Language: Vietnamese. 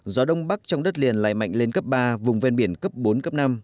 gió đông bắc trong đất liền lại mạnh lên cấp ba vùng ven biển cấp bốn cấp năm